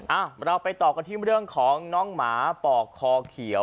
อ่ะเราไปต่อกันที่เรื่องของน้องหมาปอกคอเขียว